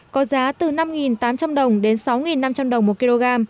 có giá từ năm tám trăm linh đồng đến sáu năm trăm linh đồng một kg